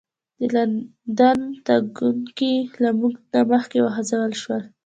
د لندن تګونکي له موږ نه مخکې وخوځول شول.